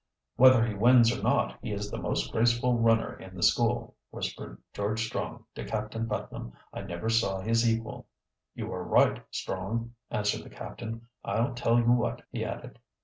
"Whether he wins or not, he is the most graceful runner in the school," whispered George Strong to Captain Putnam. "I never saw his equal." "You are right, Strong," answered the captain. "I'll tell you what," he added.